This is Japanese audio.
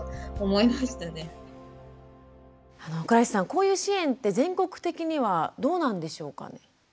こういう支援って全国的にはどうなんでしょうかね？